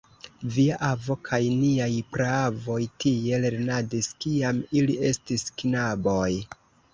Via avo kaj niaj praavoj tie lernadis, kiam ili estis knaboj.